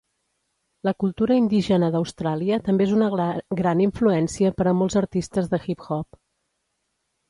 La cultura indígena d'Austràlia també és una gran influència per a molts artistes de hip-hop.